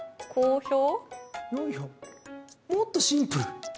いやいや、もっとシンプル。